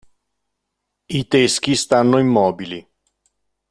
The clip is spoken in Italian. I teschi stanno immobili.